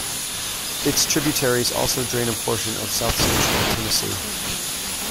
Its tributaries also drain a portion of south-central Tennessee.